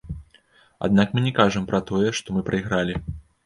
Аднак мы не кажам пра тое, што мы прайгралі.